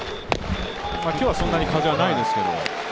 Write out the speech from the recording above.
今日はそんなに風はないですけど。